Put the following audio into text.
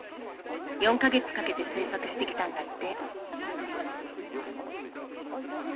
４か月かけて制作してきたんだって。